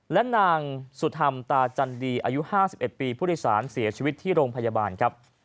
และนางสุธรรมตาจันดีอายุ๕๑ปีผู้โดยสารเสียชีวิตที่โรงพยาบาลครับ